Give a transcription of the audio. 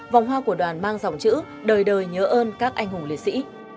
vòng hoa của đoàn mang dòng chữ đời đời nhớ ơn các anh hùng liệt sĩ